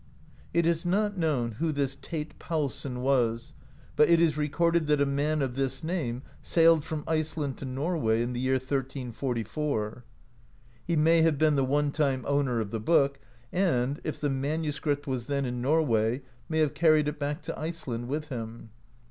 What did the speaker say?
It is not known who this Teit Paulsson was, but it is recorded that a man of this name sailed from Iceland to Norway in the year 1344. He may have been the one time owner of the book, and, if the manuscript was then in Norway, may have carried it back to Iceland with him.